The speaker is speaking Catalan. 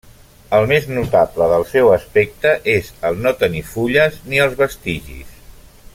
El més notable del seu aspecte és el no tenir fulles ni els vestigis.